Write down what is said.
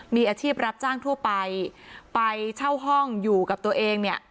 มีอาชีพรับจ้างทั่วไปไปเช่าห้องอยู่กับตัวเองเนี่ย